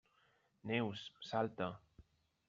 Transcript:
Neus, salta!